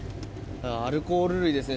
アルコール類ですね。